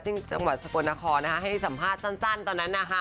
ซึ่งจังหวัดสกลนครให้สัมภาษณ์สั้นตอนนั้นนะคะ